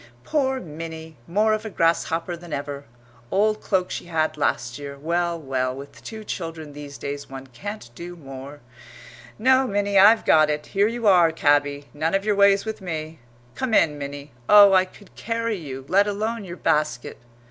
"Poor Minnie, more of a grasshopper than ever old cloak she had last year. Well, well, with two children these days one can't do more. No, Minnie, I've got it; here you are, cabby none of your ways with me. Come in, Minnie. Oh, I could carry you, let alone your basket!"